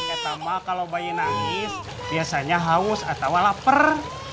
eh tambah kalau bayi nangis biasanya haus atau laper